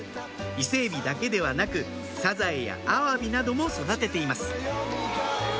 イセエビだけではなくサザエやアワビなども育てています